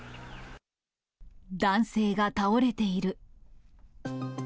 男性が倒れている。